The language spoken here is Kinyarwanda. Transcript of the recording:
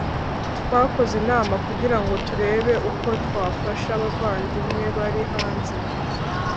Twakoze inama kugira ngo turebe uko twafasha abavandimwe bari hanze